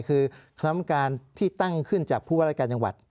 คือคณะกรรมการที่ตั้งขึ้นจากผู้ว่าราชการจังหวัด